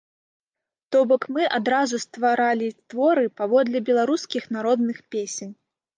То бок, мы адразу стваралі творы паводле беларускіх народных песень.